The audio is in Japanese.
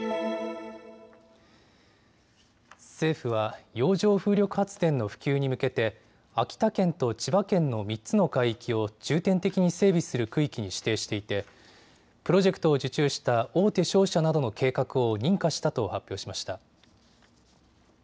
政府は洋上風力発電の普及に向けて秋田県と千葉県の３つの海域を重点的に整備する区域に指定していてプロジェクトを受注した大手商社などの計画を認可したと発表しました。